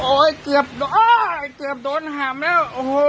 โอ่ยเกือบโอ้ยเกือบโดนหำแล้ว